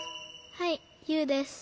はいユウです。